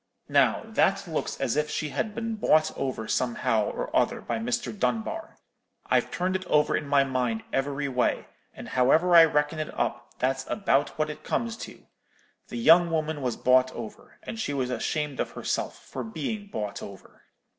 Now, that looks as if she had been bought over somehow or other by Mr. Dunbar. I've turned it over in my mind every way; and however I reckon it up, that's about what it comes to. The young woman was bought over, and she was ashamed of herself for being bought over.'